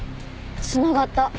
つながった。